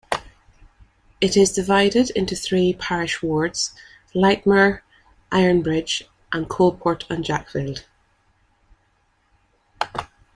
It is divided into three parish wards: Lightmoor, Ironbridge, and Coalport and Jackfield.